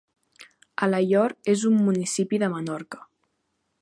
Alaior és un municipi de Menorca.